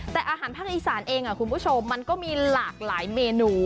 แต่อาหารภาคอีสานเองคุณผู้ชมมันก็มีหลากหลายเมนู